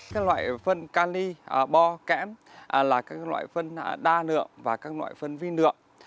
các loại phân can ly bo kẽm là các loại phân đa lượng